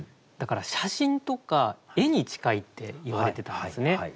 だから写真とか絵に近いって言われてたんですね。